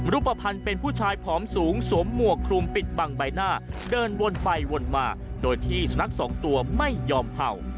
รูปภัณฑ์เป็นผู้ชายผอมสูงสวมหมวกคลุมปิดบังใบหน้าเดินวนไปวนมาโดยที่สุนัขสองตัวไม่ยอมเผ่า